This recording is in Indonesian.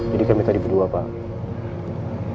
jadi kami tadi berdua pak